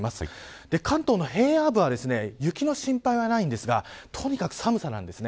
関東の平野部は雪の心配はないんですがとにかく寒さなんです。